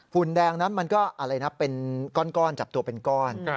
ุ่นแดงนั้นมันก็อะไรนะเป็นก้อนจับตัวเป็นก้อน